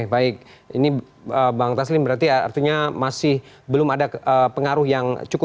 maka itu bisa saja bukan mengusungnya